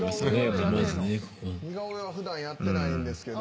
似顔絵は普段やってないんですけど。